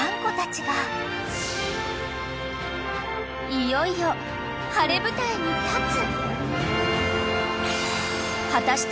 ［いよいよ晴れ舞台に立つ］